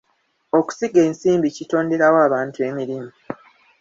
Okusiga ensimbi kitonderawo abantu emirimu.